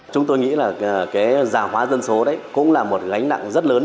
chúng tôi nghĩ là cái giả hóa dân số đấy cũng là một gánh nặng rất lớn